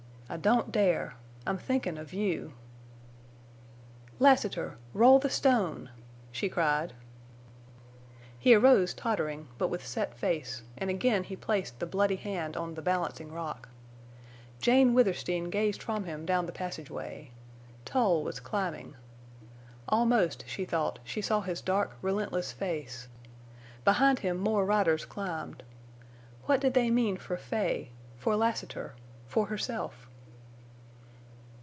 I don't dare. I'm thinkin' of you!" "Lassiter! Roll the stone!" she cried. He arose, tottering, but with set face, and again he placed the bloody hand on the Balancing Rock. Jane Withersteen gazed from him down the passageway. Tull was climbing. Almost, she thought, she saw his dark, relentless face. Behind him more riders climbed. What did they mean for Fay—for Lassiter—for herself?